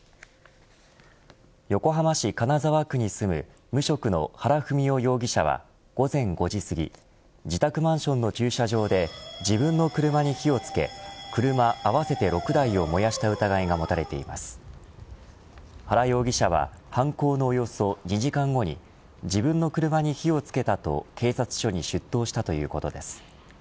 横浜市金沢区に住む無職の原文雄容疑者は午前５時すぎ自宅マンションの駐車場で自分の車に火をつけ車、合わせて６台を燃やした疑いが持たれています原容疑者は犯行の様子を２時間後に自分の車に火を付けたと警察署に出頭したということです。